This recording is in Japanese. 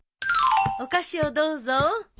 お菓子をどうぞ。